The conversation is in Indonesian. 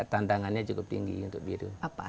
cuma tandangannya cukup tinggi untuk biru